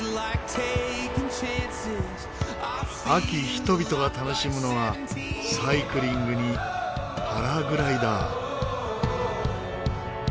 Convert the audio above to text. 秋人々が楽しむのはサイクリングにパラグライダー。